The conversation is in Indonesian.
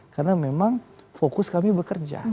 karena memang fokus kami bekerja